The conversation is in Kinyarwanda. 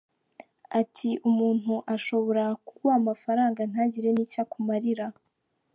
Ati: “Umuntu ashobora kuguha amafaranga ntagire n’icyo akumarira.